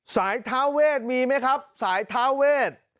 สายทาเวศมีไหมครับสายทาเวศ